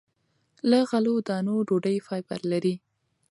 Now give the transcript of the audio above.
له غلو- دانو ډوډۍ فایبر لري.